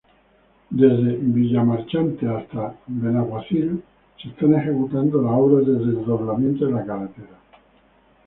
Desde Villamarchante hasta Benaguacil se están ejecutando las obras de desdoblamiento de la carretera.